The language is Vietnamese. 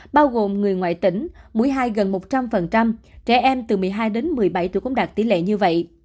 bao gồm người ngoại tỉnh mũi hai gần một trăm linh trẻ em từ một mươi hai đến một mươi bảy tuổi cũng đạt tỷ lệ như vậy